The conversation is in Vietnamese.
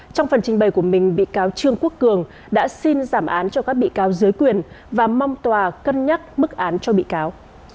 trong phần trình bày của mình bị cáo trương quốc cường đã xin giảm án cho các bị cáo dưới quyền và mong tòa cân nhắc mức án cho bị cáo